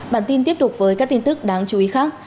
bản tin tiếp tục với các tin tức đáng chú ý khác